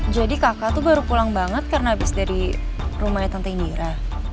jadi kakak tuh baru pulang banget karena abis dari rumahnya tante indira